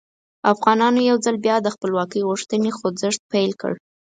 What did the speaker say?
افغانانو یو ځل بیا د خپلواکۍ غوښتنې خوځښت پیل کړ.